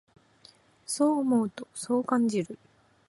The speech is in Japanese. そう思うと、そう感じる。